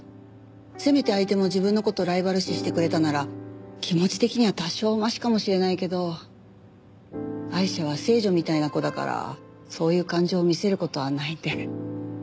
せめて相手も自分の事をライバル視してくれたなら気持ち的には多少マシかもしれないけどアイシャは聖女みたいな子だからそういう感情を見せる事はないんで。